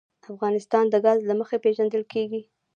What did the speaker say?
افغانستان د ګاز له مخې پېژندل کېږي.